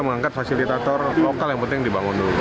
mengangkat fasilitator lokal yang penting dibangun dulu